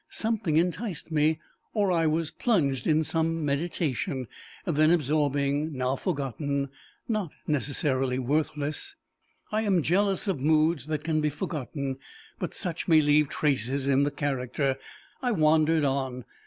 Something enticed me, or I was plunged in some meditation, then absorbing, now forgotten, not necessarily worthless. I am jealous of moods that can be forgotten, but such may leave traces in the character. I wandered on.